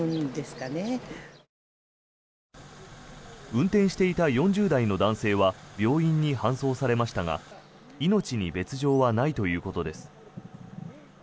運転していた４０代の男性は病院に搬送されましたが命に別条はないということです。